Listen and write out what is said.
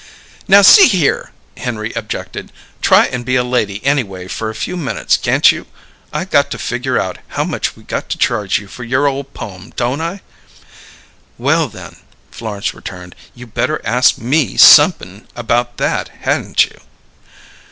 "Now, see here!" Henry objected. "Try and be a lady anyway for a few minutes, can't you? I got to figure out how much we got to charge you for your ole poem, don't I?" "Well, then," Florence returned, "you better ask me somep'n about that, hadn't you?"